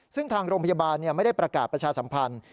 ซึ่งทางโรงพยาบาลไม่ได้ประกาศประชาสัมพันธ์